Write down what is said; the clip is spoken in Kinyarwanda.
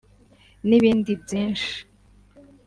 N’ibindi byinshi